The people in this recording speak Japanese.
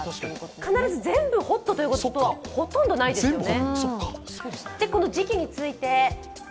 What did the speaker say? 必ず全部ホットということは、ほとんどないですよね。